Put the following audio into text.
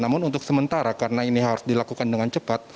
namun untuk sementara karena ini harus dilakukan dengan cepat